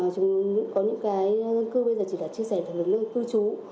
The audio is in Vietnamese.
chúng có những cái dân cư bây giờ chỉ là chia sẻ về lực lượng cư trú